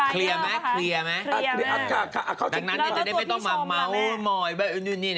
เคลียร์มั้ยเคลียร์มั้ยดังนั้นจะได้ไม่ต้องมาเมาว์เมาว์